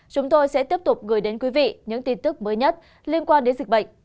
chúng tôi sẽ tiếp tục gửi đến quý vị những tin tức mới nhất liên quan đến dịch bệnh